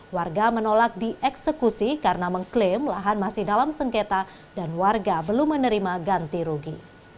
warga menolak dieksekusi karena mengklaim lahan masih dalam sengketa dan warga belum menerima ganti rugi